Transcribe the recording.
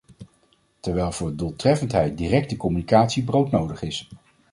Terwijl voor doeltreffendheid directe communicatie broodnodig is.